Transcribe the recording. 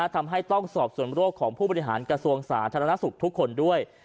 ทำให้ต้องสอบส่วนโรคของผู้บริหารกระทรวงสาธารณสุขทุกคนด้วย